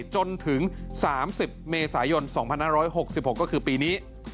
จนถึง๓๐เมษายน๒๕๖๖ก็คือปีนี้